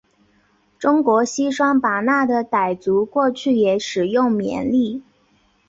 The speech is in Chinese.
中国西双版纳的傣族过去也使用缅历。